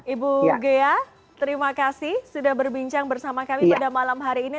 ibu ghea terima kasih sudah berbincang bersama kami pada malam hari ini